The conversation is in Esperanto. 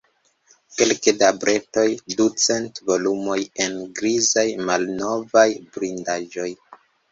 Kelke da bretoj, ducent volumoj en grizaj, malnovaj bindaĵoj.